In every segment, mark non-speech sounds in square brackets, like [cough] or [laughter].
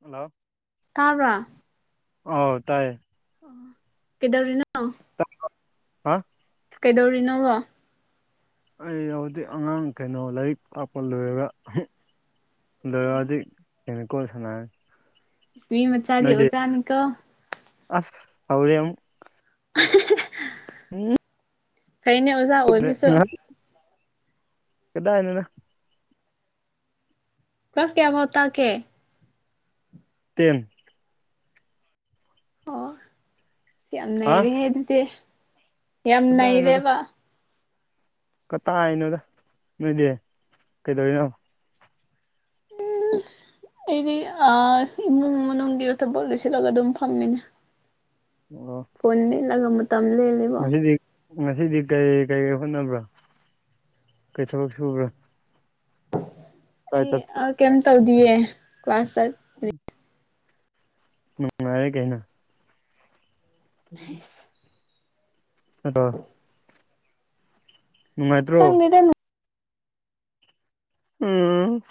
Hello ꯇꯥꯕ꯭ꯔꯥ ꯑꯥꯎ ꯇꯥꯏꯌꯦ ꯀꯤꯗꯧꯔꯤꯅꯣ ꯍꯥ ꯀꯩꯗꯧꯔꯤꯅꯣꯕꯣ ꯑꯩ ꯍꯧꯖꯤꯛ ꯑꯉꯥꯡ ꯀꯩꯅꯣ ꯂꯥꯏꯔꯤꯛ ꯍꯥꯞꯄ ꯂꯣꯏꯔꯒ ꯂꯣꯏꯔꯖꯤꯛ [unintelligible] ꯅꯤꯀꯣꯜ ꯁꯟꯅꯥꯔꯤ ꯃꯤ ꯃꯆꯥꯥꯗꯤ ꯑꯣꯖꯥꯅꯤ ꯀꯣ ꯑꯁ ꯍꯧꯔꯦ ꯑꯃꯨꯛ [unintelligible] ꯎꯝ ꯀꯩꯅꯦ ꯑꯣꯖꯥ ꯑꯣꯏꯕꯁꯨ ꯀꯗꯥꯏꯗꯅꯣ ꯀ꯭ꯂꯥꯁ ꯀꯌꯥꯐꯥꯎ ꯇꯥꯛꯀꯦ ꯇꯦꯟ ꯑꯣ ꯌꯥꯝ ꯍꯥ ꯅꯩꯔꯦꯍꯦ ꯑꯗꯨꯗꯤ ꯌꯥꯝ ꯅꯩꯔꯦꯕ ꯀꯇꯥꯏꯅꯣꯗ ꯅꯣꯏꯗꯤ ꯀꯩꯗꯧꯔꯤꯅꯣ [unintelligible] ꯑꯩꯗꯤ ꯑ ꯏꯃꯨꯡ ꯃꯅꯨꯡꯒꯤ ꯊꯕꯛ ꯂꯣꯏꯁꯤꯜꯂꯒ ꯑꯗꯨꯝ ꯐꯝꯃꯤꯅꯦ ꯑꯣ꯫ ꯐꯣꯟ ꯃꯦꯠꯂꯒ ꯃꯇꯝ ꯂꯦꯜꯂꯦ ꯉꯁꯤꯗꯤ ꯉꯁꯤꯗꯤ ꯀꯩ ꯀꯩ ꯍꯣꯠꯅꯕ꯭ꯔꯥ ꯀꯔꯤ ꯊꯕꯛ ꯁꯨꯕ꯭ꯔꯥ ꯀꯥꯏ ꯑꯩ ꯑ ꯆꯠꯄ꯭ꯔꯥ ꯀꯩꯝ ꯇꯧꯗꯤꯌꯦ ꯀ꯭ꯂꯥꯁ ꯆꯠ ꯎꯝ ꯅꯨꯉꯥꯏꯔꯦ ꯀꯩꯅꯣ ꯎꯝ ꯑꯁ ꯑꯗꯣ ꯅꯨꯡꯉꯥꯏꯇ꯭ꯔꯣ ꯈꯪꯗꯦꯗ ꯎꯝ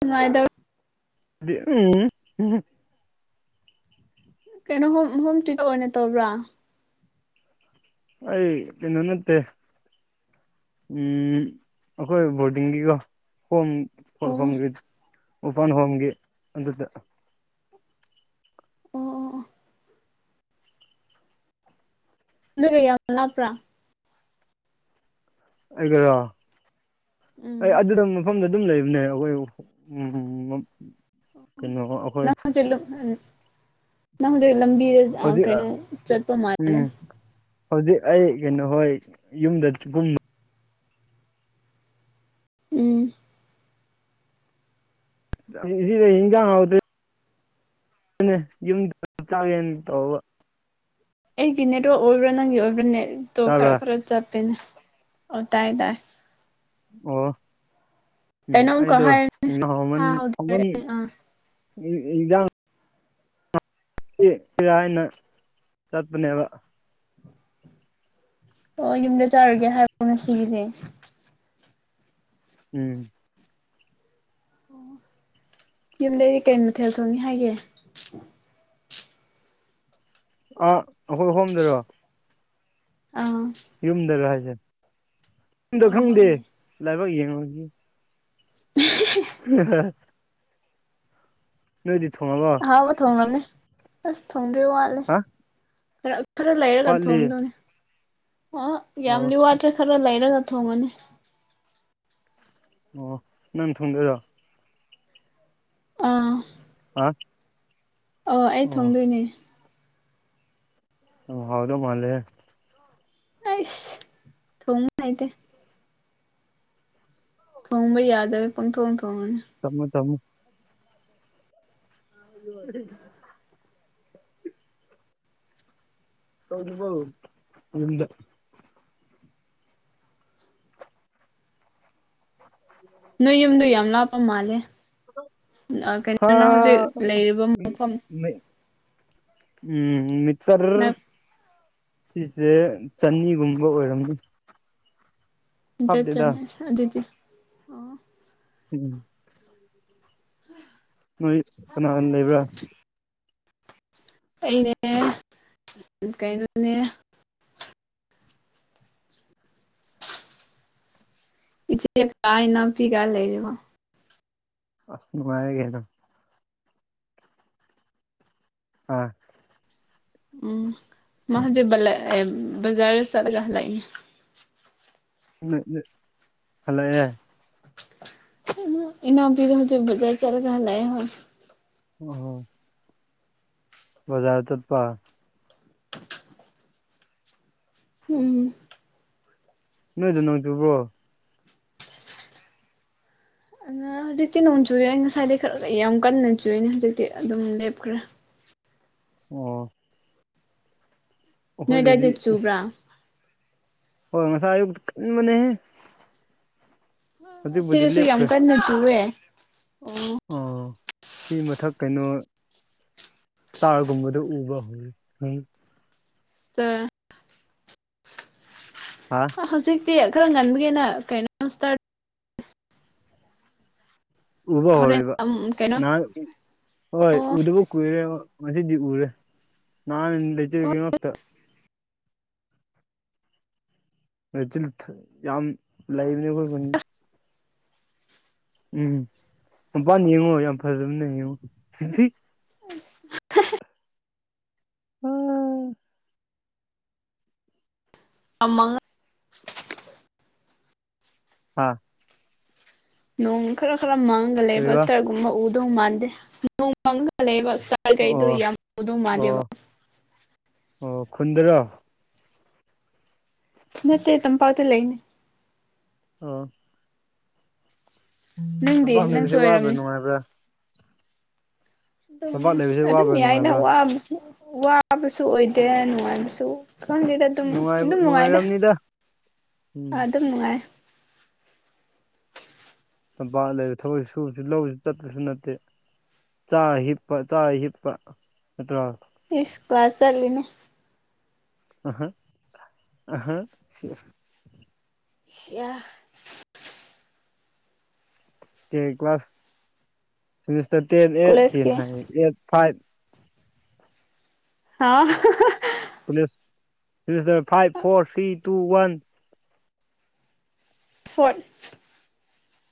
ꯅꯨꯡꯉꯥꯏꯗꯧ [unintelligible] ꯀꯩꯅꯣ [unintelligible] ꯑꯣꯏꯅ ꯇꯧꯕ꯭ꯔꯥ꯫ ꯑꯩ ꯀꯩꯅꯣ ꯅꯠꯇꯦ ꯎꯝ ꯑꯩꯈꯣꯏ ꯕꯣꯔꯗꯤꯡꯒꯤꯀꯣ ꯍꯣꯝ ꯑꯣ ꯑꯣꯔꯐꯥꯟꯒꯤ ꯎꯔꯐꯥꯟ ꯍꯣꯝꯒꯤ ꯑꯗꯨꯗ ꯑꯣ ꯑꯣ [unintelligible] ꯂꯥꯞꯄ꯭ꯔꯥ ꯑꯩꯕꯨꯔꯣ ꯎꯝ ꯑꯩ ꯑꯗꯨꯝ ꯃꯐꯝꯗ ꯑꯗꯨꯝ ꯂꯩꯕꯅꯦ ꯑꯩꯈꯣꯏ ꯎꯝ ꯑꯣ ꯀꯩꯅꯣ ꯑꯩꯈꯣꯏ ꯅꯪ ꯍꯧꯖꯤꯛ ꯅꯪ ꯍꯧꯖꯤꯛ ꯂꯝꯕꯤ ꯑ ꯍꯧꯖꯤꯛ ꯀꯩꯅꯣ ꯆꯠꯄ ꯃꯥꯜ ꯎꯝ ꯍꯧꯖꯤꯛ ꯑꯩ ꯀꯩꯅꯣ ꯍꯣꯏ ꯌꯨꯝꯗ [unintelligible] ꯎꯝ꯫ ꯉꯁꯤꯗꯤ ꯏꯟꯖꯥꯡ ꯍꯥꯎꯗꯨꯔꯤ ꯑꯗꯨꯅꯦ ꯌꯨꯝꯗ ꯆꯥꯛ [unintelligible] ꯇꯧꯕ꯫ ꯑꯩꯒꯤ ꯅꯦꯠꯋꯥꯛ ꯑꯣꯏꯕ꯭ꯔꯥ ꯅꯪꯒꯤ ꯑꯣꯏꯕ꯭ꯔꯥ ꯅꯦꯠꯇꯣ ꯇꯥꯕ꯭ꯔꯥ ꯈꯔ ꯈꯔ ꯆꯠꯄꯦꯅꯦ ꯑꯣ ꯇꯥꯏ ꯇꯥꯏ ꯑꯣ ꯎꯝ ꯀꯩꯅꯣꯝꯀ ꯑꯩꯗꯣ ꯍꯥꯏ [unintelligible] ꯃꯟ ꯇꯥꯍꯧꯗ꯭ꯔꯦ ꯑꯃꯟ ꯑꯥ ꯏ ꯏꯟꯖꯥꯡ ꯁꯤ [unintelligible] ꯍꯥꯏꯅ ꯆꯠꯄꯅꯦꯕ ꯑꯣ ꯌꯨꯝꯗ ꯆꯥꯔꯨꯒꯦ ꯍꯥꯏꯕꯣꯅ ꯁꯤꯒꯤꯁꯦ ꯎꯝ ꯑꯣ ꯌꯨꯝꯗꯗꯤ ꯀꯔꯤ ꯃꯊꯦꯜ ꯊꯣꯡꯅꯤ ꯍꯥꯏꯒꯦ꯫ ꯑꯥ ꯑꯩꯈꯣꯏ ꯍꯣꯝꯗꯔꯣ ꯑꯡ꯫ ꯌꯨꯝꯗꯔ ꯍꯥꯏꯁꯦ ꯌꯨꯝꯗ ꯑꯥ ꯈꯪꯗꯦ ꯃꯥꯅꯦ ꯂꯥꯏꯕꯛ ꯌꯦꯡꯉꯒ ꯎ ꯍꯥ ꯍꯥ ꯅꯣꯏꯗꯤ ꯊꯣꯡꯉꯕꯣ ꯑꯍꯥꯎꯕ ꯊꯣꯡꯉꯝꯅꯤ ꯑꯁ ꯊꯣꯡꯗ꯭ꯔꯤ ꯋꯥꯠꯂꯤ ꯍꯥ ꯈꯔ ꯈꯔ ꯂꯩꯔꯒ ꯋꯥꯠꯂꯤ ꯊꯣꯡꯗꯣꯏꯅꯦ ꯑ ꯑꯣ ꯌꯥꯝꯗꯤ ꯋꯥꯠꯇ꯭ꯔꯦ ꯈꯔ ꯂꯩꯔꯒ ꯊꯣꯡꯉꯅꯤ ꯑꯣ ꯅꯪ ꯊꯨꯡꯗꯔꯣ ꯎꯝ ꯍꯥ ꯑꯣ ꯑꯩ ꯊꯣꯡꯗꯣꯏꯅꯦ ꯎ ꯍꯥꯎꯗꯣ ꯃꯥꯂꯦ ꯑꯁ ꯊꯣ ꯍꯥꯏꯇꯦ ꯊꯣꯡꯕ ꯌꯥꯗꯕꯩ ꯄꯡꯊꯣꯡ ꯊꯣꯡꯉꯤꯅꯤ꯫ ꯊꯝꯃꯣ ꯊꯝꯃꯣ꯫ ꯑꯗꯨ ꯂꯣꯏꯗꯔ꯭ꯤ ꯕꯣ ꯌꯨꯝꯗ ꯎ [inaudible] ꯅꯣꯏ ꯌꯨꯝꯗ ꯌꯥꯝ ꯂꯥꯞꯄ ꯃꯥꯜꯂꯦ ꯍ ꯀꯩꯅꯣꯅ ꯍꯧꯖꯤꯛ ꯂꯩꯔꯤꯕ ꯃꯐꯝ ꯎꯝ ꯃꯤꯆꯔ ꯁꯤꯁꯦ ꯆꯅꯤꯒꯨꯝꯕ ꯑꯣꯏꯔꯝꯅꯤ ꯆꯠ ꯍꯥꯞꯇꯦꯗ ꯆꯅꯦ ꯑꯗꯨꯗꯤ ꯑꯣ ꯎꯝ꯫ ꯎꯝ ꯎ ꯅꯣꯏ ꯀꯅꯥꯒ ꯂꯩꯕ꯭ꯔꯥ꯫ ꯑꯩꯅꯦ ꯀꯩꯅꯣ ꯆꯨꯑꯦ꯫ ꯏꯆꯦ ꯀꯥꯏꯅ ꯄꯤꯒꯥꯏ ꯂꯩꯔꯕ ꯑꯁ ꯅꯨꯡꯉꯥꯏ [unintelligible] ꯑ ꯎꯝ ꯃꯖꯤꯦ ꯖꯔꯁꯂꯒꯂꯏ [unintelligible] ꯍꯜꯂꯛꯑꯦ ꯏꯅꯥ ꯐꯗ ꯍꯧꯖꯤ ꯖꯔ ꯆꯂꯒ ꯍꯗ ꯍ ꯑꯣ ꯕꯖꯥꯔ ꯆꯠꯄ ꯎꯝ ꯅꯣꯏꯗꯣ ꯅꯣꯡ ꯆꯨꯕ꯭ꯔꯣ ꯑꯗ ꯍꯧꯖꯤꯛꯇꯤ ꯅꯣꯡ ꯆꯨꯏꯌꯦ ꯉꯁꯥꯏꯗꯤ ꯈꯔꯒ ꯌꯥꯝ ꯀꯟꯅ ꯆꯨꯏꯅꯦ ꯍꯧꯖꯤꯛꯇꯤ ꯑꯗꯨꯝ ꯂꯦꯞꯈ꯭ꯔꯦ ꯑꯣ ꯅꯣꯏꯗꯥꯏ ꯑꯩꯈꯣꯏꯗꯗꯤ ꯅꯣꯡ ꯆꯨꯕ꯭ꯔꯥ꯫ ꯍꯣꯏ ꯉꯁꯥꯏ ꯑꯌꯨꯛꯇ ꯀꯅꯤ ꯃꯅꯦ ꯍꯦ ꯁꯤꯗꯁꯨ ꯌꯥꯝ ꯂꯦꯞꯈ꯭ꯔꯦ ꯀꯟꯅ ꯆꯨꯋꯦ ꯎꯝ꯫ ꯑ ꯁꯤ ꯃꯊꯛ ꯀꯩꯅꯣ ꯁ꯭ꯇꯥꯔꯒꯨꯝꯕꯗꯣ ꯎꯕ꯭ꯔꯣ [unintelligible] [unintelligible] ꯍꯥ ꯍꯧꯖꯤꯛꯇꯤ ꯈꯔ ꯉꯟꯕꯒꯤꯅ ꯀꯩꯅꯣ [unintelligible] ꯎꯕ ꯍꯣꯔꯦꯟ ꯍꯧꯔꯤꯕ ꯀꯩꯅꯣ ꯅꯍꯥꯟ ꯍꯣꯏ ꯎꯗꯕ ꯀꯨꯏꯔꯦꯕ ꯉꯁꯤꯗꯤ ꯎꯔꯦ ꯅꯍꯥꯟ ꯂꯩꯖꯤꯜꯒꯤꯉꯥꯛꯇ ꯂꯩꯆꯤꯜ ꯊꯥꯥ ꯌꯥꯝ ꯂꯩꯕꯅꯦ ꯑꯩꯈꯣꯏ ꯈꯨꯟ ꯎꯝ ꯃꯄꯥꯟ ꯌꯦꯡꯉꯣ ꯌꯥꯝ ꯐꯖꯕꯅ ꯌꯦꯡꯉꯣ ꯐꯝꯃꯥꯒ ꯑꯥ ꯅꯣꯡ ꯈꯔ ꯈꯔ ꯃꯪꯉꯒ ꯂꯩꯕ ꯀꯔꯤꯕ ꯏꯁꯇꯥꯔꯒꯨꯝꯕ ꯎꯗꯧ ꯃꯥꯟꯗꯦ ꯅꯣꯡ ꯃꯪꯉꯥꯒ ꯂꯩꯕ ꯏꯁꯇꯥꯔ ꯀꯩꯗꯣ ꯑꯣ ꯌꯥꯝ ꯎꯗꯧ ꯑꯣ ꯃꯥꯜꯗꯦꯕ ꯑꯣ ꯈꯨꯟꯗ꯭ꯔꯣ ꯅꯠꯇꯦ ꯇꯝꯄꯥꯛꯇ ꯂꯩꯅꯦ ꯑꯣ ꯅꯪꯗꯤ ꯇꯝꯄꯥꯛ ꯅꯪꯁꯨ ꯂꯩꯕꯁꯦ ꯋꯥꯕ꯭ꯔꯥ ꯑꯣꯏꯔꯝꯅꯤ ꯅꯨꯡꯉꯥꯏꯕ꯭ꯔꯥ ꯑꯗꯨꯝ ꯇꯝꯄꯥꯛ ꯂꯩꯕꯁꯦ ꯑꯗꯨꯝ ꯋꯥꯕ꯭ꯔꯥ ꯌꯥꯏꯅ ꯅꯨꯡꯉꯥꯏꯕ꯭ꯔꯥ ꯋꯥꯕ ꯋꯥꯕꯁꯨ ꯑꯣꯏꯗꯦ ꯅꯨꯡꯉꯥꯏꯕꯁꯨ ꯈꯪꯗꯦꯗ ꯑꯗꯨꯝ ꯅꯨꯡꯉꯥꯏꯕ ꯑꯗꯨꯝ ꯅꯨꯡꯉꯥꯏꯗ ꯅꯨꯡꯉꯥꯏꯔꯝꯅꯤꯗ ꯎꯝ ꯑꯗꯨꯝ ꯅꯨꯡꯉꯥꯏ ꯇꯝꯄꯥꯛ ꯂꯩꯔ ꯊꯕꯛꯁꯨ ꯁꯨꯕꯁꯨ ꯂꯧꯁꯨ ꯆꯠꯇꯄꯁꯨ ꯅꯠꯇꯦ ꯆꯥꯔ ꯍꯤꯞꯄ ꯆꯥꯔ ꯍꯤꯞꯄ ꯅꯠꯇ꯭ꯔꯥ ꯏꯁ ꯀ꯭ꯂꯥꯁ ꯆꯠꯂꯤꯅꯦ [unintelligible] ꯁꯤꯌꯥ class semester ten eight ten ꯀꯣꯂꯦꯖꯀꯤ ꯍꯥꯏ ꯑꯦꯠ ꯐꯥꯏꯚ [unintelligible] ꯀꯣꯂꯦꯁ semester five four three two one ꯐꯔꯣꯠ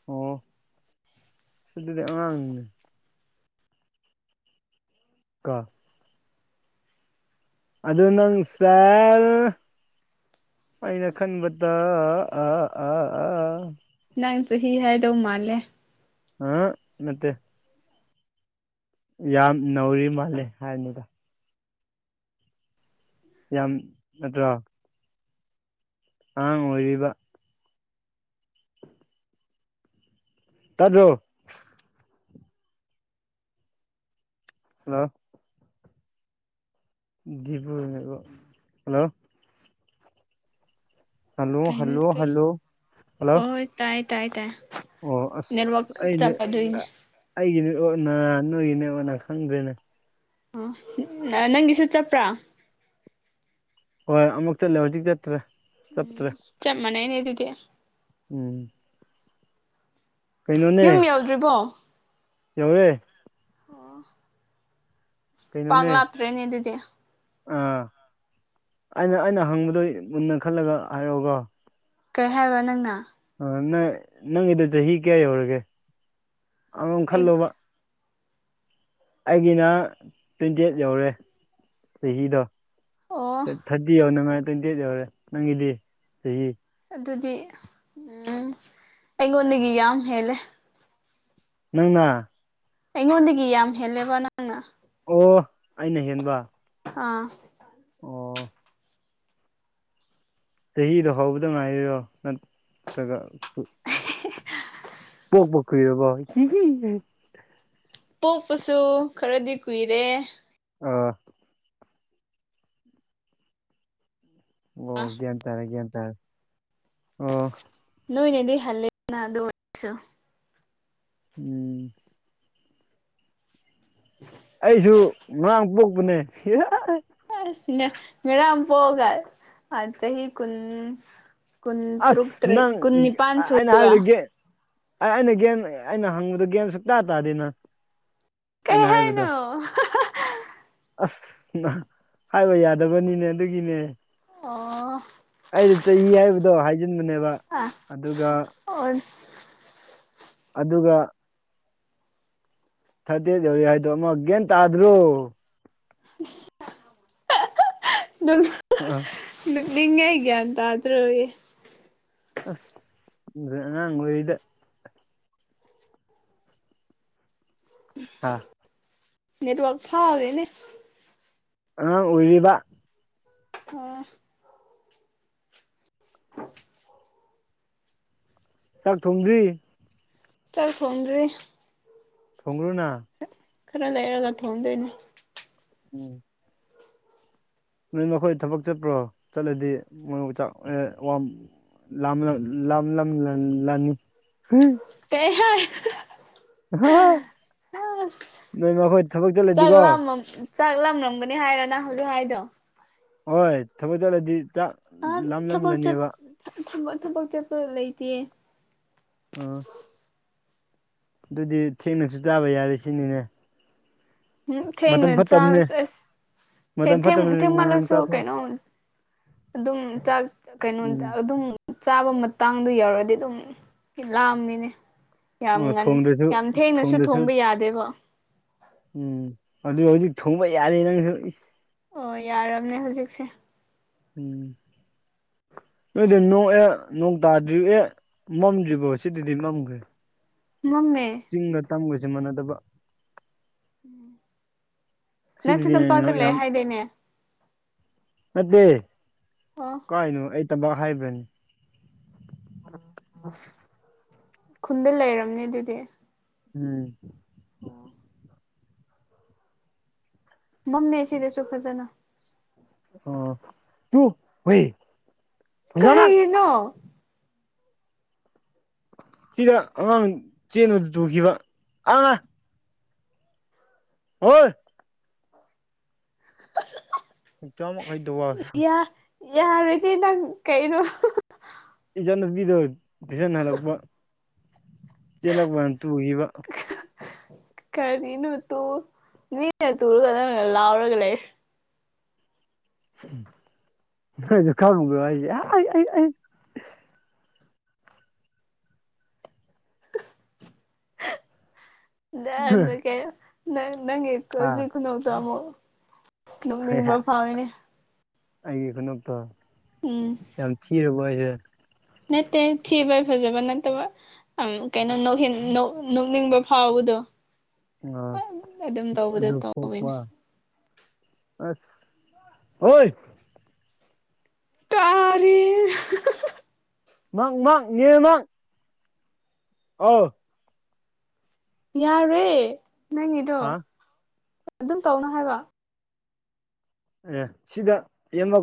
ꯑꯣ ꯑꯗꯨꯗꯤ ꯑꯉꯥꯡꯅꯤꯅꯦ [unintelligible] ꯑꯗꯨ ꯅꯪꯁꯦ ꯑꯩꯅ ꯈꯟꯕꯗ ꯑ ꯑ ꯑꯥ ꯑꯥ ꯅꯪ ꯆꯍꯤ ꯍꯥꯏꯗꯧ ꯃꯥꯜꯂꯦ ꯑꯥ ꯅꯠꯇꯦ ꯌꯥꯝ ꯅꯧꯔꯤ ꯃꯥꯜꯂꯦ ꯍꯥꯏꯝꯅꯤꯗ ꯌꯥꯝ ꯅꯠꯇ꯭ꯔꯣ ꯑꯉꯥꯡ ꯑꯣꯏꯔꯤꯕ ꯇꯥꯗꯔꯣ ꯍꯜꯂꯣ [unintelligible] ꯍꯜꯂꯣ ꯍꯜꯂꯣ ꯀꯩꯅꯣ ꯍꯜꯂꯣ ꯀꯩ ꯍꯜꯂꯣ ꯍꯜꯂꯣ ꯑꯣ ꯇꯥꯏ ꯇꯥꯏ ꯇꯥꯏ ꯑꯣ ꯅꯦꯠꯋꯥꯛ ꯆꯞꯄ ꯑꯗꯨꯏꯅꯦ ꯑꯩꯒꯤ ꯅꯦꯠꯋꯥꯛꯅ ꯅꯣꯏꯒꯤ ꯅꯦꯠꯋꯥꯛꯅꯔ ꯈꯪꯗ꯭ꯔꯦꯅꯦ ꯑ ꯅꯪꯒꯤꯁꯨꯨ ꯆꯞꯄ꯭ꯔꯥ ꯍꯣꯏ ꯑꯃꯨꯛꯇꯥ [unintelligible] ꯆꯠꯇ꯭ꯔꯦ ꯎꯝ ꯆꯠꯇ꯭ꯔꯦ ꯆꯞ ꯃꯥꯅꯩꯅꯦ ꯑꯗꯨꯗꯤ ꯎꯝ ꯌꯨꯝ ꯀꯩꯅꯣꯅꯦ ꯌꯧꯗ꯭ꯔꯤꯕꯣ ꯌꯧꯔꯦ ꯑꯣ ꯑꯁ ꯄꯥꯛ ꯀꯩꯅꯣꯅꯦ ꯂꯥꯛꯇ꯭ꯔꯦꯅꯦ ꯑꯗꯨꯗꯤ ꯑꯥ ꯑꯩꯅ ꯑꯩꯅ ꯍꯪꯕꯗꯣ ꯃꯨꯟꯅ ꯈꯜꯂꯒ ꯍꯥꯏꯔꯛꯑꯣꯀꯣ ꯀꯩ ꯍꯥꯏꯕ ꯅꯪꯅ ꯅꯪ ꯅꯪꯒꯤꯗ ꯆꯍꯤ ꯀꯌꯥ ꯌꯧꯔꯒꯦ ꯑꯣꯝ ꯑꯩ ꯈꯜꯂꯣꯕ ꯑꯩꯒꯤꯅ ꯇ꯭ꯋꯦꯟꯇꯤ ꯑꯩꯠ ꯌꯧꯔꯦ ꯆꯍꯤꯗꯣ ꯑꯣ ꯊꯥꯔꯇꯤ ꯌꯧꯅꯉꯥꯏ ꯇ꯭ꯋꯦꯟꯇꯤ ꯑꯩꯠ ꯌꯧꯔꯦ ꯅꯪꯒꯤꯗꯤ ꯆꯍꯤ꯫ ꯑꯗꯨꯗꯤ ꯎꯝ ꯑꯩꯉꯣꯟꯗꯒꯤ ꯌꯥꯝ ꯍꯦꯜꯂꯦ ꯅꯪꯅ ꯑꯩꯉꯣꯟꯗꯒꯤ ꯌꯥꯝ ꯍꯦꯜꯂꯦꯕ ꯅꯪꯅ ꯑꯣ ꯑꯩꯅ ꯍꯦꯟꯕ ꯑꯥ ꯑꯣ ꯆꯍꯤꯗꯣ ꯍꯧꯕꯗ ꯉꯥꯏꯔꯤꯔꯣ ꯅꯠꯇ꯭ꯔꯒ ꯄꯣꯛꯄ ꯀꯨꯏꯔꯕꯣ ꯄꯣꯛꯄꯁꯨ ꯈꯔꯗꯤ ꯀꯨꯏꯔꯦ ꯑꯥ ꯑꯣ ꯒ꯭ꯌꯥꯟ ꯇꯥꯔꯦ ꯒ꯭ꯌꯥꯟ ꯇꯥꯔꯦ ꯑꯣ ꯅꯣꯏꯅꯦꯗꯤ ꯍꯜꯂꯦꯅ ꯑꯗꯨ ꯑꯣꯏꯁꯨ ꯎꯝ ꯎ ꯑꯩꯁꯨ ꯉꯥꯡ ꯄꯣꯛꯄꯅꯦ ꯉꯔꯝ ꯄꯒ ꯑ ꯆꯍꯤ ꯆꯍꯤ ꯀꯟ ꯑꯁ ꯅꯪ ꯑꯩꯅ ꯁꯨꯔꯦꯕ ꯍꯥꯏꯖꯒꯦ ꯑꯦ ꯑꯩꯅ ꯒꯌꯥꯟ ꯑꯩꯅ ꯍꯪꯕꯗ ꯒꯌꯥꯟ ꯁꯨꯛꯇ ꯇꯥꯗꯦꯅ ꯀꯩ ꯑꯩꯅ ꯍꯥꯏꯕꯗꯣ꯫ ꯍꯥꯏꯅꯣ ꯑꯁ ꯍꯥꯏꯕ ꯌꯥꯗꯕꯅꯤꯅꯦ ꯑꯗꯨꯒꯤꯅꯦ ꯑꯣ ꯑꯩꯗꯤ ꯆꯍꯤ ꯍꯥꯏꯕꯗꯣ ꯍꯥꯏꯖꯤꯟꯕꯅꯦꯕ ꯑꯥ ꯑꯗꯨꯒ ꯑꯣ ꯑꯗꯨꯒ ꯊꯥꯗꯦ ꯌꯧꯔꯤ ꯍꯥꯏꯗꯣ ꯒꯌ꯭ꯥꯟ ꯇꯥꯗ꯭ꯔꯦ ꯅꯪ ꯑ ꯑ ꯅꯤꯡꯉ ꯍꯦꯒꯇꯗ꯭ꯔꯣ ꯑꯁ ꯈꯡꯗ꯭ꯔꯦ ꯑꯉꯥꯡ ꯑꯣꯏꯔꯤꯗ꯫ ꯍꯥ ꯅꯦꯠꯋꯥꯔꯛ ꯐꯥꯒꯔꯦꯅꯦ ꯑ ꯑꯣꯏꯔꯤꯕ ꯑ [inaudible] ꯆꯥꯛ ꯊꯣꯡꯗ꯭ꯔꯤ ꯆꯥꯛ ꯊꯣꯡꯗ꯭ꯔꯤ꯫ ꯊꯣꯡꯉꯨꯔꯣꯅ ꯈꯔ ꯂꯩꯔꯒ ꯊꯣꯡꯗꯣꯏꯅꯦ꯫ ꯎꯝ ꯅꯣꯏ ꯃꯈꯣꯏ ꯊꯕꯛ ꯆꯠꯄ꯭ꯔꯣ ꯆꯠꯂꯗꯤ ꯃꯣꯏ ꯆꯥꯛ ꯂꯝ ꯂꯝ ꯂꯝ ꯂ ꯂꯅꯤ ꯀꯩ ꯍꯥꯏꯥꯏ [unintelligible] ꯊꯕꯛ ꯆꯠꯂꯗꯤꯀꯣ ꯆꯥꯛꯂꯝꯂꯝꯝꯒꯅꯤ ꯍꯥꯏꯔ ꯅꯍꯜꯂꯨ ꯍꯥꯏꯗꯣ ꯍꯣꯏ ꯊꯕ ꯆꯧꯗꯤ ꯆ ꯑ ꯊ ꯊꯕꯛ ꯆꯠꯄ ꯂꯩꯇꯦ ꯑꯥ ꯑꯗꯨꯗꯤ ꯊꯦꯡꯅꯖꯨ ꯆꯥꯕ ꯌꯥꯔꯦ ꯁꯤꯅꯤꯅꯦ ꯎꯝ ꯃꯇꯝ ꯊꯦꯡꯅ ꯐꯠꯇꯕꯅꯦ ꯆꯥꯔꯁꯨ ꯊꯦ ꯃꯇꯝ ꯊꯦꯡ ꯐꯠꯇꯕꯅꯤ ꯉꯟꯅ ꯊꯦꯡꯃꯥꯜꯂꯁꯨ ꯆꯥꯊꯣꯛ ꯀꯩꯅꯣ ꯑꯗꯨꯝ ꯆꯥꯛ ꯎꯝ ꯀꯩꯅꯣꯅꯤꯗ ꯑꯗꯨꯝ ꯆꯥꯕ ꯃꯇꯥꯡꯗꯣ ꯌꯧꯔꯛꯑꯗꯤ ꯑꯗꯨꯝ ꯂꯥꯝꯃꯤꯅꯦ ꯌꯥꯝ ꯑꯣ ꯉꯟ ꯊꯣꯡꯗ꯭ꯔꯁꯨ ꯌꯥꯝ ꯊꯦꯡꯅꯁꯨ ꯊꯣꯡꯗ꯭ꯔꯁꯨ ꯊꯣꯡꯕ ꯌꯥꯗꯦꯕ ꯎꯝ ꯑꯗꯨ ꯍꯧꯖꯤꯛ ꯊꯣꯡꯕ ꯌꯥꯔꯦ ꯅꯪꯁꯨ ꯑꯣ ꯌꯥꯔꯕꯅꯦ ꯍꯧꯖꯤꯛꯁꯦ ꯎꯝ ꯅꯣꯏꯗꯤ ꯅꯣꯡ ꯅꯣꯡ ꯇꯥꯗ꯭ꯔꯤꯕ ꯑꯦ ꯃꯝꯗ꯭ꯔꯤꯕꯣ ꯁꯤꯗꯥꯗꯤ ꯃꯝꯈ꯭ꯔꯦ ꯃꯝꯃꯦ ꯆꯤꯡꯒ ꯇꯝꯒꯖꯦ ꯃꯥꯟꯅꯗꯕ ꯅꯪꯁꯨ ꯁꯤꯗꯗꯤ ꯇꯝꯄꯥꯛꯇ ꯌꯥꯝ ꯂꯩꯑꯦ ꯍꯥꯏꯗꯣꯏꯅꯦ ꯅꯠꯇꯦ ꯑꯣ ꯀꯥꯔꯥꯏꯗꯅꯣ ꯑꯩ ꯇꯝꯄꯥꯛ ꯍꯥꯏꯕ꯭ꯔꯅꯦ ꯈꯨꯟꯗ ꯂꯩꯔꯝꯃꯅꯦ ꯑꯗꯨꯗꯤ ꯎꯝ ꯑꯣ ꯃꯝꯃꯦ ꯁꯤꯗꯁꯨ ꯐꯖꯅ ꯑꯣ ꯇꯨ ꯍꯣꯏ ꯀꯔꯤ ꯅꯣ ꯁꯤꯗ ꯑꯉꯥꯡ ꯆꯦꯟꯕꯗꯨ ꯇꯨꯈꯤꯕ ꯑꯥ ꯍꯣꯏ [unintelligible] ꯌꯥꯔꯦꯗꯤ ꯅꯪ ꯀꯩꯅꯣ ꯏꯆꯟꯅꯨꯄꯤꯗꯣ ꯇꯨꯏꯁꯟ ꯍꯜꯂꯛꯄ ꯆꯦꯜꯂꯛꯄꯗ ꯇꯨꯒꯤꯕ ꯀꯔꯤꯅꯣ ꯇꯨ ꯃꯤꯅ ꯇꯨꯔꯒ ꯅꯪꯅ ꯂꯥꯎꯔꯒ ꯂꯩꯔꯦ ꯈꯥꯔꯨꯖꯨ ꯈꯪꯕ꯭ꯔꯣ ꯍꯥꯏꯖꯦ ꯑꯩ ꯑꯩ ꯑꯩ ꯗꯌꯥꯟꯗ ꯀꯩꯅꯣ ꯅꯪ ꯅꯪꯒꯤ ꯍꯧꯖꯤꯛ ꯈꯨꯅꯣꯛꯇꯣ ꯑꯃꯨꯛ ꯅꯣꯛꯅꯤꯡꯕ ꯑꯥ ꯐꯥꯎꯋꯤꯅꯦ ꯑꯩꯒꯤ ꯈꯨꯅꯣꯛꯇꯣ ꯎꯝ ꯌꯥꯝ ꯊꯤꯔꯕꯣ ꯍꯥꯏꯁꯦ ꯅꯠꯇꯦ ꯊꯤꯕꯩ ꯐꯖꯕ ꯅꯠꯇꯕ ꯑꯪ ꯀꯩꯅꯣ ꯅꯣꯛꯍꯤꯟ ꯅꯣꯛꯅꯤꯡꯕ ꯐꯥꯎꯕꯗꯣ ꯑꯥ ꯑꯗꯨꯝ ꯇꯧꯕꯗꯣ ꯑꯗꯨ ꯇꯧꯋꯤꯅꯦ ꯄꯣꯛꯄ ꯑꯥꯁ ꯍꯣꯏ ꯀꯥꯔꯤꯅꯣ ꯃꯪ ꯃꯥꯡ [unintelligible] ꯍꯥꯎ ꯌꯥꯔꯦ ꯅꯪꯒꯤꯗꯣ ꯍꯥ ꯑꯗꯨꯝ ꯇꯧꯅꯣ ꯍꯥꯏꯕ ꯑꯦ ꯁꯤꯗ ꯇꯦꯟꯃꯥ